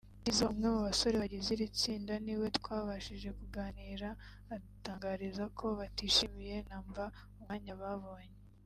Tizzo umwe mu basore bagize iri tsinda ni we twabashije kuganira adutangariza ko batishimiye na mba umwanya babonye